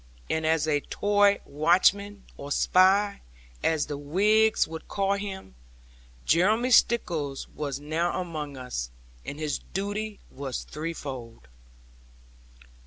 And as a Tory watchman or spy, as the Whigs would call him Jeremy Stickles was now among us; and his duty was threefold.